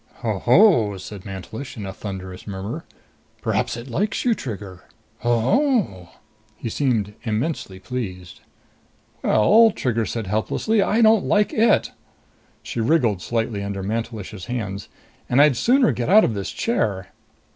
"Ho ho!" said Mantelish in a thunderous murmur. "Perhaps it likes you, Trigger! Ho ho!" He seemed immensely pleased. "Well," Trigger said helplessly, "I don't like it!" She wriggled slightly under Mantelish's hands. "And I'd sooner get out of this chair!"